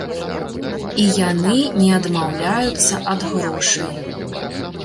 І яны не адмаўляюцца ад грошай.